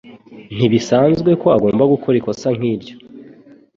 Ntibisanzwe ko agomba gukora ikosa nkiryo.